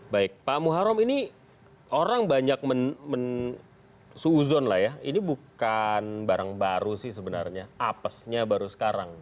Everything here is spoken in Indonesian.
baik pak muharrem ini orang banyak suuzon lah ya ini bukan barang baru sih sebenarnya apesnya baru sekarang